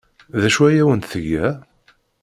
D acu ay awent-tga?